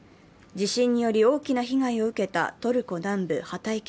地震により大きな被害を受けたトルコ南部ハタイ県。